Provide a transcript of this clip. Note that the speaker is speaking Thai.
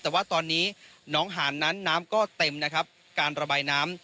แต่ว่าตอนนี้น้องหานนั้นน้ำก็เต็มนะครับการระบายน้ำ